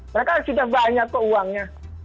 mereka harus punya banyak uangnya